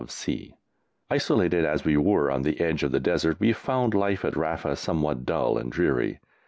of C. Isolated as we were on the edge of the desert we found life at Rafa somewhat dull and dreary.